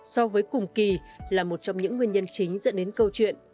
so với cùng kỳ là một trong những nguyên nhân chính dẫn đến câu chuyện